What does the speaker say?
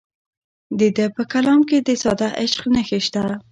د ده په کلام کې د ساده عشق نښې شته.